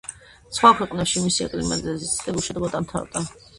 სხვა ქვეყნებში მისი აკლიმატიზაციის ცდები უშედეგოდ დამთავრდა.